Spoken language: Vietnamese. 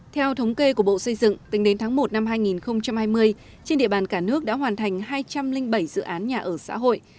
theo thống kê của bộ xây dựng tính đến tháng một năm hai nghìn hai mươi trên địa bàn cả nước đã hoàn thành hai trăm linh bảy dự án nhà ở xã hội